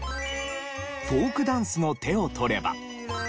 「フォーク・ダンスの手をとれば」